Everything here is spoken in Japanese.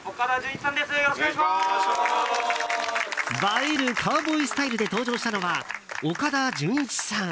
映えるカウボーイスタイルで登場したのは岡田准一さん。